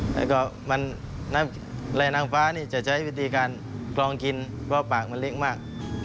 แล้วก็ไหล่น้ำฟ้านี่จะใช้วิธีการกรองกินเพราะปากมันเลี้ยงมาก